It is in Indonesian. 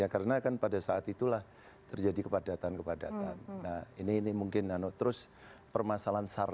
karena kan pada saat itulah terjadi kepadatan kepadatan ini mungkin nanu terus permasalahan